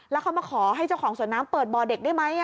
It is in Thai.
แล้วเขามาขอให้เจ้าของสวนน้ำเปิดบ่อเด็กได้ไหม